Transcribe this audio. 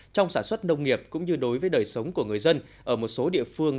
trong sản xuất nông nghiệp cũng như đối với đời sống của người dân ở một số địa phương